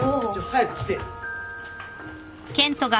早く来て。